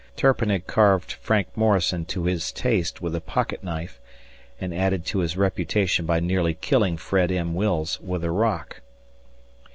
... Turpin had carved Frank Morrison to his taste with a pocket knife and added to his reputation by nearly killing Fred M. Wills with a rock.